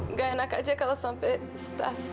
nggak enak aja kalau sampai staff